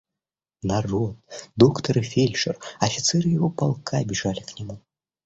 Народ, доктор и фельдшер, офицеры его полка, бежали к нему.